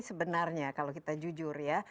sebenarnya kalau kita jujur ya